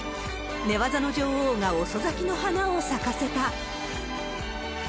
寝技の女王が遅咲きの花を咲かせた。